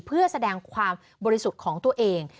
เพื่อแสดงความบริสุทธิ์ของตัวเอง